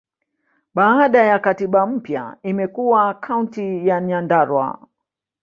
Baada ya katiba mpya, imekuwa Kaunti ya Nyandarua.